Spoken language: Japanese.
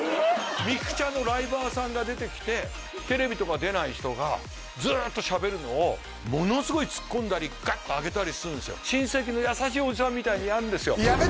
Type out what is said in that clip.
ミクチャのライバーさんが出てきてテレビとか出ない人がずっとしゃべるのをものすごいツッコんだりガッとあげたりするんですよみたいにやるんですよ